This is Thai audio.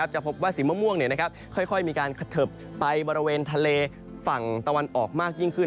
จะพบว่าสีม่วงค่อยมีการเขิบไปบริเวณทะเลฝั่งตะวันออกมากยิ่งขึ้น